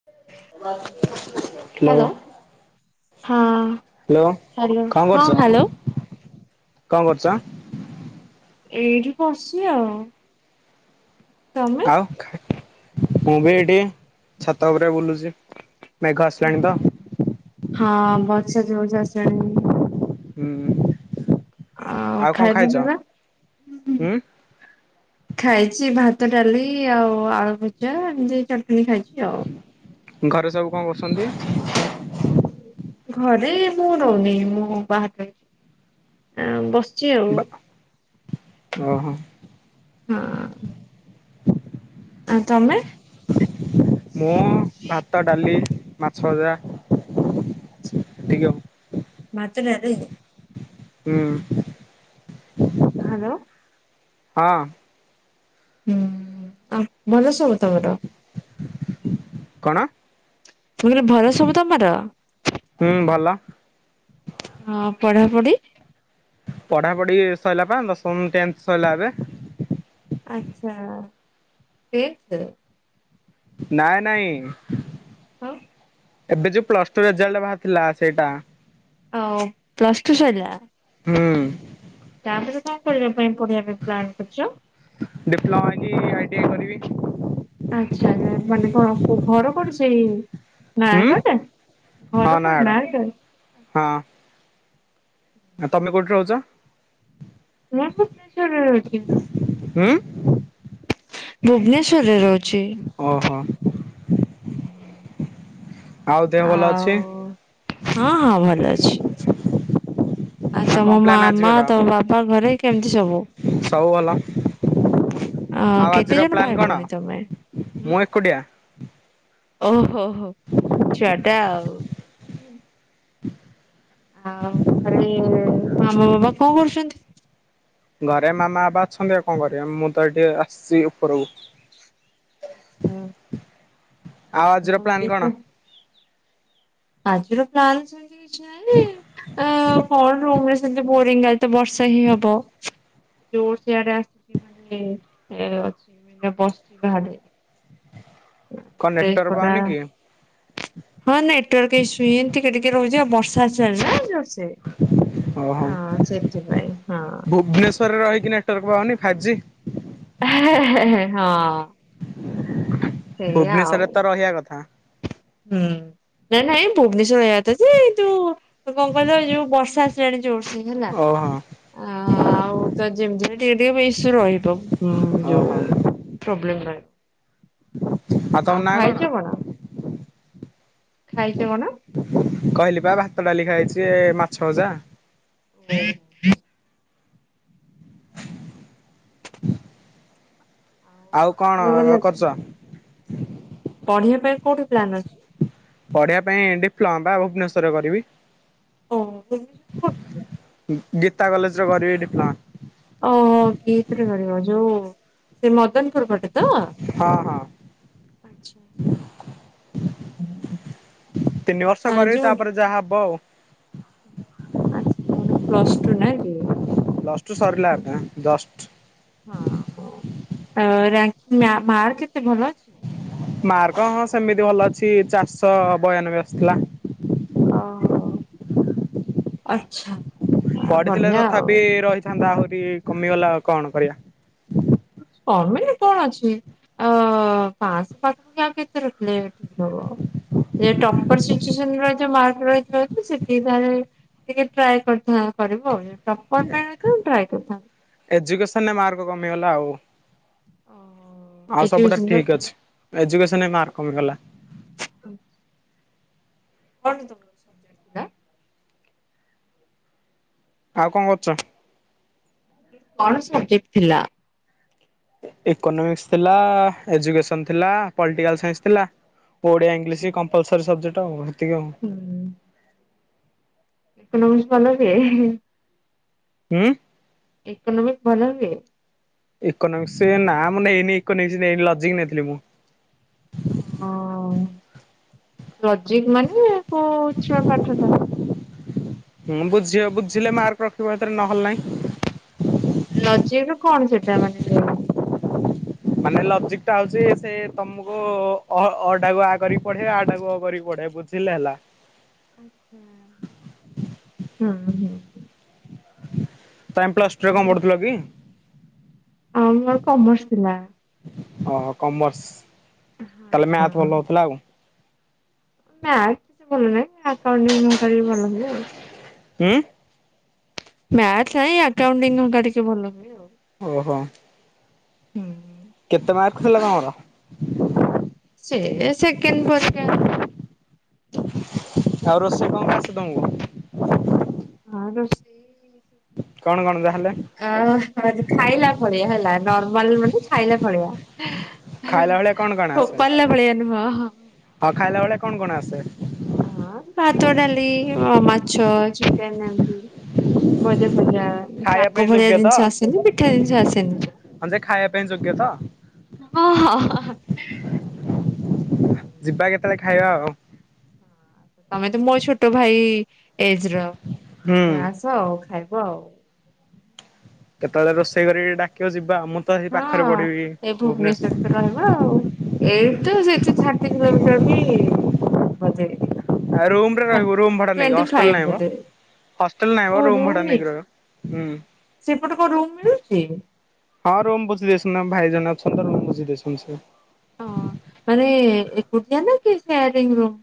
[inaudible] Hello ହଁ hello hello ହଁ hello. କଁ କରୁଚ? ଏଇଠି ବସିଚି ଆଉ। ତମୁ ଆଉ ଖା ମୁଁ ବି ଏଇଠି ଛାତ ଉପରେ ବୁଲୁଚି। ଓହୋ ହଁ ବର୍ଷା ଜୋର୍ ସେ ଆସିଲାଣି। ହୁଁ। ଆଉ କଣ ଖାଇବା ଖାଇଛ ପିଇବା ହୁଁ ଉଁ। ହୁଁ ଖାଇଚି ଭାତ ଡାଲି ଆଉ ଆଳୁଭଜା ଏମତି ଚଟଣି ଖାଇଚି ଆଉ। ଘରେ ସବୁ କଁ କରୁସନ୍ତି? ଘରେ ମୁଁ ରହୁନି ମୁଁ ବାହାରେ ରହୁଚି। ଆଁ ଉଁ ବସିଚି ଆଉ। ବା ଓହୋ। ହଁ। ଆଉ ତମେ? ମୁଁ ଭା ତ ଡାଲି ମାଛ ଭଜା ଏତିକି ଆଉ। ଭାତ ଡାଲି ହୁଁ। ହାଲୋ। ହଁ। ହୁଁ ଆଉ ଭଲ ସବୁ ତମର? କଣ? ମୁଁ କହିଲି ଭଲ ସବୁ ତମର? ହୁଁ ଭଲ। ଆଉ ପଢାପଢି? ପଢାପଢି ସଇଲା ପା ଦଶମ୍ ଟେନ୍ଥ ସଇଲା ଏବେ। ଆଛା ଟେନ୍ଥ। ନାଇ ନାଇଁ‌। ଆଉ ଏବେ ଯୋଉ ପ୍ଲସ୍ ଟୁ ରେଜେଲ୍ଟେ ଭାରିଥିଲା ସେଇଟା। ଆଉ ପ୍ଲସ୍ ଟୁ ସଇଲା? ହୁଁ। ତାପରେ କଁ କରିବା ପାଇଁ ପଢିଆ ପାଇଁ ପ୍ଲାନ୍ କରିଚ? ଡିପ୍ଲୋମା କି ଆଇ ଟି ଆଇ କରିବି। ଆଚ୍ଛା ଯେ ମାନେ କଣ କୋଉ ଘର [unintelligible] ସେଇ ହୁଁ ନୟାଗଡରେ ହଁ ଘର କୋଉଠି ନୟାଗଡ଼ ନୟାଗଡ। ହଁ। ଆ ତମେ କୋଉଠି ରହୁଛ? [unintelligible] ଭୁବେନେଶ୍ଵର ରହୁଚି ହଁ ଭୁବନେଶ୍ଵରରେ ରହୁଛି। ଓ ହୋ ଭଲ ଆଉ ଅଛି? ହଁ ହଁ ଭଲ ଅଛି। ଆଉ କଣ ତମ ପ୍ଲାନ୍ ମାମା ଆଜିର? ତମ ବାପା ଘରେ କେମିତି ସବୁ? ସବୁ ଭଲ। ଅ ଆଉ କେତେ ଆଜିର ଜଣ ଭାଇ ପ୍ଲାନ କଣ? ଭଉଣୀ ତମେ? ମୁଁ ଏକୁଟିଆ। ଓହୋହୋ ଛୁଆ ଟା ଆଉ ଆଉ ଘରେ ମାମା ବାପା କଣ କରୁଛନ୍ତି? ଘରେ ମାମା ବାପା ଅଛନ୍ତି ଆ କଣ କରିବେ ମୁଁ ତ ଟିକେ ଆସିଛି ଉପରକୁ। ହୁଁ ଆଉ ଆଜିର ପ୍ଲାନ କଣ? ଆଜିର ପ୍ଲାନ୍ ସେମିତି କିଛି ନାହିଁ ଆ କଣ ରୁମ୍ ରେ ସେତ ବୋରିଙ୍ଗ ଆଜି ତ ବର୍ଷା ହିଁ ହବ ଯୋଉ ସିଆଡ ଆସ ଏ - ଅଛି ମ ବସିଛି ବାହାରେ କଣ ଡ୍ରେସ ନେଟୱାର୍କ ପଟା ପାଉନି କି? ହଁ ନେଟୱାର୍କ ଇସୁ ଏମତିିକେ ଟିକେ ରହୁଛି ଆଉ ବର୍ଷା ଆସିଲାଣି ନା। ସେ ଓହୋ ହଁ ସେଥିପାଇଁ ହଁ। ଘରେ ରହିିକିନା ନେଟୱାର୍କ ପାଉନି ଫାଇ୍ ବି ଜି ହେଁ ହେଁ ହଁ ସେଇଆ ଆଉ ଭୁବନେଶ୍ଵରରେ ତ ରହିବା କଥା ହୁଁ ନାଇଁ ନାଇ ଏ ଭୁବନେଶ୍ୱର ରହିବା କଥା ଯେ ଯଉ କଣ କହିଲ ଯୋଉ ବର୍ଷା ଚାଡ଼ି ଜିବ ବର୍ଷା ହେଲା ଓହୋ ଅ ଆଉ ତ ଯେମିତି ହେଲେ ଟିକେ ଟିକେ ବେସି ରହିତୋ ହୁଁ ଯୋଉ, ଓହୋ ପ୍ରୋବ୍ଲେମ୍ ପାଇଁ, ଆଉ ଖାଇଛ କଣ? ଖାଇଛ କଣ? କହିଲି ପା ଭାତ ଡାଲି ଖାଇଛି ମାଛ ଅଜା, [inaudible] ଆଉ କଣ ଭଲ ର କରୁଛ? ପଢ଼ିବା ପାଇଁ କୋଉଠି ପ୍ଲାନ୍ ଅଛି? ପଢ଼ିବା ପାଇଁ ଡିପ୍ଲୋମା ବା ଭୁବନେଶ୍ୱରରେ କରିବି। ଓହୋ ଭୁବନେଶ୍ବର କୋଉଠି ରେ? ଉ-ଉ ଗୀତା କଲେଜ ରେ କରିବି ଡିପ୍ଲୋମା, ଓହୋ କିତ୍ ରେ କରିବ ଯୋଉ, ସେ ମଦନପୁର ପଟେ ତ, ହଁ ହଁ ଆଚ୍ଛା, ଆଛା ତିନି ବର୍ଷ କରିବି ତାପରେ ଯାହା ହବ ଆଉ, ଆଛା କୋହୁନା ପ୍ଲସ୍ ଟୁ ନାହିକି, ପ୍ଲସ୍ ଟୁ ସରିଲା ଆପଣ ଜ୍ସଟ୍, ହଁ-ହଁ ଅ ରେକ୍ ମା ମାର୍କ କେତେ ଭଲ ଅଛି? ମାର୍କ ହଁ ସେମିତି ଭଲ ଅଛି ଚାରଶହ ବୟାନବେ ଆସିଥିଲା, ଓ ହଉ ଆଚ୍ଛା, ପଢ଼ିଥିଲେ ବଢିଆ ଆଉ। ତଥାପି ରହିଥାନ୍ତା ଆହୁରି କମିଗଲା କଣ କରିବା? କମିଲେ କଣ ଅଛି କି? ଅ ପାସ୍ ପାଖ ଆଉ କେତେ ରଖିଲେ ଠିକ୍ ହବ? ଏ ଟପର ସିଚୁଏନ ରହିଥାନ୍ତି ମାର୍କ ରହିଥାଏ ସେଠି ତାଲେ ଟିକେ ଟ୍ରାଏ କରିଥା କରିବ ଯଦି ଟପର ପାଇଁ ଅଛ ଟ୍ରାଏ କରିଥାନ୍ତ,। ଏଜୁକେସନ୍ ରେ ମାର୍କ କମିଗଲା ଆଉ ଅ ଆଉ ସବୁଟା ଏଜୁକେସନ ର ଠିକ୍ ଅଛି ଏଜୁକେସନ୍ ରେ ମାର୍କ କମିଗଲା। [inaudible] ଆଉ କଣ କରୁଛ? କଣ ସବଜେକ୍ଟ ଥିଲା? ଇକୋନୋମିକ୍ସ ଥିଲା ଏଜୁକେସନ୍ ଥିଲା ପଲଟିକାଲ୍ ସାଇନ୍ସ ଥିଲା, ଓଡ଼ିଆ ଆଚ୍ଛା ଇଂଗିଲିଶ୍ କମ୍ପଲସରୀ ସବଜେକ୍ଟ ଆଉ ଏତିକି ଆଉ ହୁଁ। ଇକୋନୋମିକ୍ସ ଭଲ ହୁଏ? ହୁଁ। ଏକୋନୋମିକ୍ସ ଭଲ ହୁଏ? ଇକୋନୋମିକ୍ସ ସେ ନା ମୁଁ ନେଇନି ଇକୋନୋମିକ୍ସ ନେଇକି ଲଜିକ୍ ନେଇଥିଲି ମୁଁ ହଁ ଲଜିକ୍ ମାନେ କୋଉ ଛୁଆ ପାଠ ଟା ହୁଁ ବୁଝିବ ବୁଝିଲେ ମାର୍କ ରଖିବ ଭିତରେ ନହେଲେ ନାହିଁ? ଲଜିକ୍ ରେ କଣ ସେଟା ମାନେ ମାନେ ଲଜିକ୍ ଟା ଆଉଛି ସେ ତମକୁ ଅ ଅ ଟାକୁ ଆ କରିକି ପଢ଼େଇବେ ଆ ଟାକୁ ଅ କରିକି ପଢ଼େଇ ବା ବୁଝ ଥିଲେ ହେଲା। ଆଚ୍ଛା ହୁଁ-ହୁଁ। ତାଙ୍କ ପ୍ଲସ୍ ଟୁ ରେ କଣ ପଡ଼ୁଥିଲ କି? ଆଉ ମୋର କମର୍ସ ଥିଲା। ଅ କମର୍ସ ତାହେଲେ ମ୍ୟାଥ ହଁ ଭଲ ହଉଥିଲା ଆଉ ମ୍ୟାଥ ଏତେ ଭଲ ନାହିଁ ଆକାଉଣ୍ଟିଂ ଭଲ ହୁଏ ଆଉ ହୁଁ। ମ୍ୟାଥ ନାଇଁ ଆକାଉଣ୍ଟିଂ ଦିନ କାରିକା ଭଲ ହୁଏ ଆଉ ଓହୋ। ହୁଁ କେତେ ମାର୍କ ଥିଲା ତମର? ସେ ସେକେଣ୍ଡ ପରିଖ ଆଉ ରୋସେଇ କଣ ଆସେ ତମକୁ? ହଁ ରୋଷେଇ କଣ କଣ ତାହେଲେ? ଅ ଖାଇଲା ଭଳିଆ ହେଲା ନର୍ମାଲ ମାନେ ଖାଇଲା ଭଳିଆ। ଖାଇଲା ବେଳେ କଣ ଫୋପାଡ଼ିଲା ଭଳିଆ ନୁହେଁ। ହଉ ଖାଇଲା ବେଳେ କଣ କଣ ଆସେ? ହଁ ଭାତ ଡ଼ାଲି ମାଛ ଚିକେନ୍ ଏନ୍ତି ଭଜା ଫଜା ଖାଇବା ଶାଗ ପାଇଁ ଯୋଗ୍ୟ ଭଳିଆ ଜିନିଷ ଆସେନି ପିଠା ଜିନିଷ ଆସେନି? ହ ଯେ ଖାଇବା ପାଇଁ ଯୋଗ୍ୟ ତ? ଓହୋ ହୋ। ଯିବା କେତେବେଳେ ଖାଇବା ଆଉ? ହଁ ତମେ ତ ମୋ ଛୋଟ ଭାଇ ଏଜର ହୁଁ ଆସ ଆଉ ଖାଇବ ଆଉ କେତେବେଳେ ରୋଷେଇ କରିକି ଡାକିବ ଯିବା ମୁଁ ତ ସେ ପାଖରେ ପଢିବି ଭୁବନେଶ୍ଵର ଭୁବନେଶ୍ୱର୍। ହ ଆଉ ଏଇ ତ ସେଇଠି ଥାର୍ଟି କିଲୋମିଟର ବି ବଜେ ରୁମରେ ରହିବୁ ରୁ ଭଡା ନେଇକି ଫାଇଭ ହଷ୍ଟେଲ ନାଇ ମ ବୋଧେ ହଷ୍ଟେଲ ନାଇମ୍ ଓ ରୁମ୍ ଭଡା ନେଇକି ନେଇଛି ରହିବ। ହୁଁ। ସେପଟେ କଣ ରୁମ୍ ମିଳୁଛି? ହଁ ରୁମ୍ ବୁଝି ଦେଇଛନ୍ତି ଭାଇଜଣ ଅଛନ୍ତି ତ ରୁମ୍ ବୁଝି ଦେଇସନ୍ତି। ହଁ ମାନେ ଏକୁଟିଆ ନା କି ସେୟରୀଙ୍ଗି ରୁମ୍।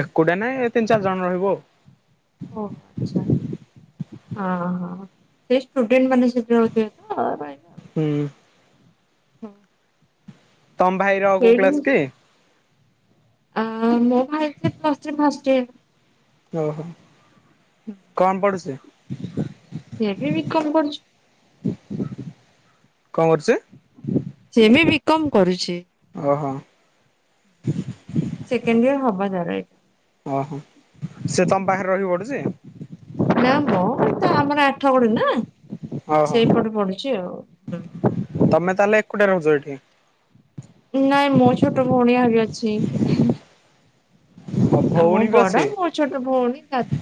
ଏକୁଟିଆ ନାଇଁ ତିନି ଚାରି ଜଣ ରହିବୁ ଆଉ। ଓ ଆଚ୍ଛା। ଅହ ସେ ଷ୍ଟୁଡେଣ୍ଟ ମାନେ ସେଠି ରହୁଥିବେ ତ ହୁଁ। ହୁଁ। ତମ ଭାଇର କୁ କ୍ଲାସ କି? ଆ ମୋ ଭାଇ ବି ପ୍ଲସ ଥ୍ରୀ ଫାଷ୍ଟ ୟାର। ଓହୋ କଣ ପଡ଼ୁଛି? ସିଏ ବି କମ କରୁଛୁ। କଣ କରୁଛି? ସେବି ବି ବିକମ କରୁଛି। ଅହ। ସେକେଣ୍ଡ ୟାର ହବ ତାର ଏ ଅହ ସେ ତମ ପାଖରେ ରହିକି ପଢୁଛି? ନା ମ ତା ଆମର ଆଠ ଗଡ଼ ନା ଓହୋ ସେଇପଟେ ପଢୁଛି ଆଉ। ତମେ ତାହେଲେ ଏକୁଟେ ରହୁଛ ଏଠି? ନାଇଁ ମୋ ଛୋଟ ଭଉଣୀ ଆଗେ ଅଛି। ଆଉ ମୁଁ ଭଉଣୀ ବଡ ମୋ ଛୋଟ ଭଉଣୀ ତା ତ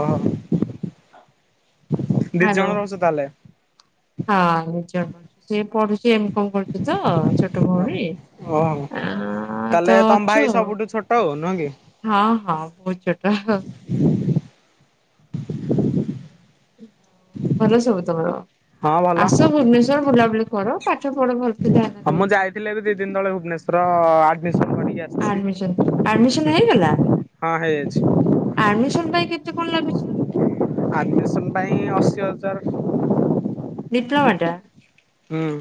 ଅହ ହ୍ୟାଲୋ ତାହେଲେ? ହଁ [unintelligible] ସେ ପଢୁଛି ସିଏ ଏମ କମ୍ କରୁଛି ତ ଛୋଟ ଓ ଭଉଣୀ। ଓହୋ ଆଁ ତ ତାହେଲେ ତମ ଅଛୁ ଭାଇ ଆଉ ସବୁଠୁ ଛୋଟ ଆଉ ନୁହେଁ କି? ହଁ ହଁ ବହୁତ ଛୋଟା। ଭଲ ସବୁ ତମର ହଁ ଭଲ ଆସ ଭୁବନେଶ୍ଵର ବୁଲାବୁଲି କର ପାଠ ପଢ ଭଲସେ ଧ୍ୟାନ ଦେଇକି। ଥିଲେ ବି ଦି ଦିନ ତଳେ ଭୁବନେଶ୍ୱର ଆଡମିସନ କରିକି ଆ ଚି ଆଡମିସନ ଆଡମିସନ ହୁଁ ହେଇଗଲା ହଁ ହେଇଯାଇଛି। ଆଡମିସନ ପାଇଁ କେତେ କଣ ଲାଗୁଚି? ଆଡ଼ମିସନ ପାଇଁ ଅଶୀ ହଜାର। ଡିପ୍ଲୋମା ଟା? ହୁଁ।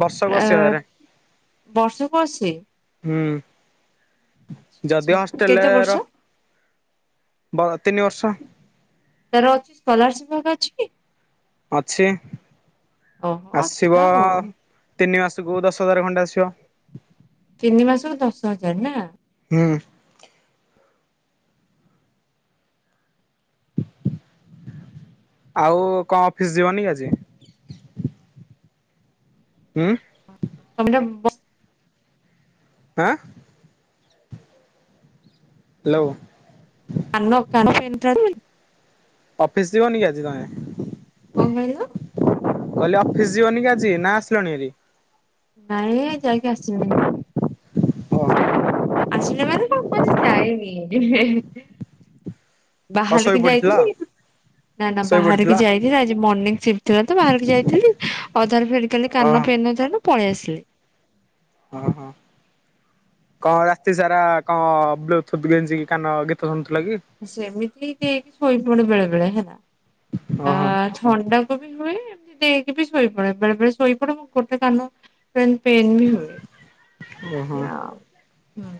ବର୍ଷକୁ ଅଶୀ ଏଁ ହଜାର ବର୍ଷକୁ ଅସି? ହୁଁ ଆଚ୍ଛା ଯଦି ହଷ୍ଟେଲ କେତେ ର ବର୍ଷ ବ ତିନି ବର୍ଷ। ତାର ସ୍କଲାରସିପ୍ ହେରିକା ଅଛି କି? ଅଛି ଓହୋ ଅଛି ତ ଆସିବ ଆଉ ତିନି ମାସକୁ ଦଶ ହଜାର ଖଣ୍ଡେ ଆସିବ। ତିନି ମାସ ର ଦଶ ହଜାର ନା? ହୁଁ। ଆଉ କଣ ଅଫିସ ଯିବନି ଆଜି? ହୁଁ। ତମେ ଟିକେ ବ ଆଁ। ହ୍ୟାଲୋ। ଆମ କାଢ [unintelligible] ଅଫିସ ଯିବନି କି ଆଜି ତମେ। କଣ କହିଲ। କହିଲି ଅଫିସ ଯିବନି କି ଆଜି ନା ଆସିଲଣି ଆରି। ନାଇଁ ଯାଇକି ଆସିଲିଣି ଭାରି। ଓହୋ ଆସିଲ ମାନେ କଣ ପାଇଁ ଯାଏନି। କଣ ଶୋଇ ବାହାରିକି ପଡିଥିଲ ଯାଇଥିଲି ନା ନା ଶୋଇ ପଡିଥିଲ ବାହାରକି ଯାଇଥିଲେ ଆଜି ମର୍ଣିଂ ସିଫ୍ଟ ଥିଲା ତ ବାହାରକି ଯାଇ ଥିଲ ଅଧାରୁ ଫେରି କାଲି ଓହୋ କାନ ଫେନଥିଲା ପଳେଇ ଆସିଲି। ହଁ ହଁ। କଣ ରାତି ସାରା କଣ ବ୍କୁ ଥୁଥ୍ ଗେଞ୍ଜିକି କାନ ଗୀତ ଶୁଣୁଥିଲ କି। ସେମିତି କି ଶୋଇପଡ଼େ ବେଳେ ବେଳେ ହେଲା। ଅ ହ। ଥଣ୍ଡାକୁ ବି ହୁଏ ଏମତି ଦେଇକି ବି ଶୋଇ ପଡେ ବେଳେ ବେଳେ ଶୋଇ ପଡେ ମୁଁ ଗୋଟେ କାନ ପେନ୍ ପେନ ବି ହୁଏ ଓହୋ ଏୟା ଆଉ ହୁଁ।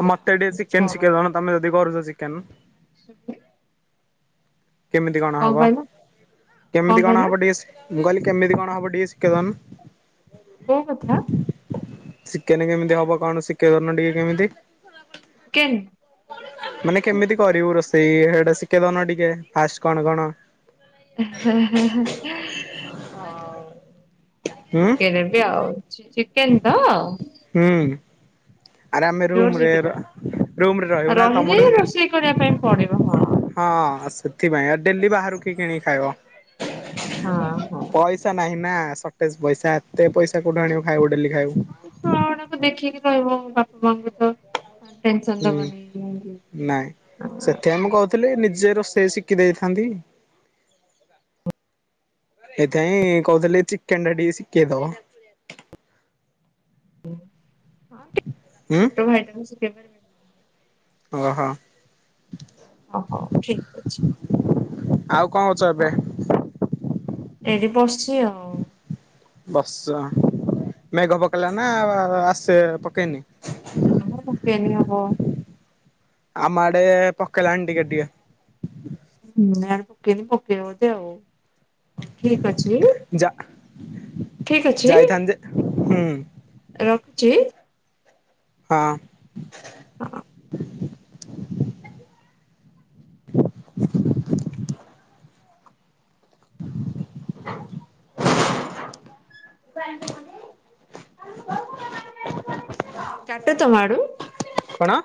ଆଉ ମତେ ଟିକେ ଚିକେନ କଣ ଶିଖେ ଦଉନ ତମେ ଯଦି କରୁଛ ଚିକେନ୍‌। ସେବେ। କେମିତି କଣ ହବ କେମିତି କଣ ହବ ଟିକେ ମୁଁ କହିଲି କେମିତି କଣ ହବ ଟିକେ ଶିଖେଇଦନ୍‌। କୋଉ କଥା। ଚିକେନ୍ କେମିତି ହବ କଣ ଶିକେଇ ଧନ ଟିକେ କେମିତି। କେନ୍। ମାନେ କେମିତି କରିବୁ ରୋଷେଇ ସେଟା ଶିଖେଇ ଦଉନ ଟିକେ ଫାଷ୍ଟ କଣ କଣ ହଉ। ହୁଁ କିଏ ସେମ୍ ତି ଆଉ ଚିକେନ ତ। ହୁଁ। ଆରେ ଆମେ ରୁମରେ ରୁମରେ ରହିବୁ ନା ରହିଲେ ତମଠୁ ରୋଷେଇ କରିବା ପାଇଁ ପଡିବ ହଁ। ହଁ ସେଥିପାଇଁ ଆଉ ଡେଲି ବାହାରୁ କି କିଣିକି ଖାଇବ। ହଁ ହଁ। ପଇସା ନାହିଁ ନା। ପଇସା ଏତେ ପଇସା କୋଉଠୁ ଆଣିବ ଖାଇବୁ ଡେଲି ଖାଇବୁ। ଛୁଆଡାକୁ ଦେଖିକି ରହିବ ବାପା ମାଆ ଙ୍କୁ ତ। ଆ ଟେନ୍‌ ସନ୍‌ ହୁଁ ଦବନି ରୁମୁକୁ ଆଁ ତେଣୁ କହୁଥିଲେ ନିଜେ ରୋଷେଇ ଶିଖି ଦେଇଥାନ୍ତି। ଏଇଥି ପାଇଁ କହୁଥିଲି ଚିକେନ ଟା ଟିକେ ଶିଖେଇଦବ। ହଁ ହୁଁ। ଛୋଟ ଭାଇଟାକୁ ଶିଖେଇ ପାରିବି। ଓ ହ। ଓ ହୋ ଠିକ୍ ଅଛି ଆଉ କଣ କରୁଛ ହଁ। ଏବେ ଏଇଟି ବସ୍ ଚି‌ ଆଉ। ବସ୍‌ ଚ ମେଘ ପକେଇଲା ନା ଆଉ ଆଉ ଆସେ ପକେଇନି। ନା ହା ପକେଇନି ହବ। ଆମ ଆଡେ ପକେଇଲାଣି ଟିକେ ଟିକେ। ହୁଁ ନା ପକେଇନି ପକେଇବଧ ଆଉ ହଉ ଠିକ୍ ଅଛି। ଯା। ଠିକ୍ ଅଛି, ଯାଇଥାନ୍ତି ଯେ ହୁଁ ରଖୁଛି। ହଁ। ହଁ [unintelligible] ୁ କାଟ ତମ ଆଡୁ। କଣ?